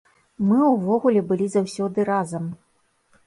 Мы ўвогуле былі заўсёды разам.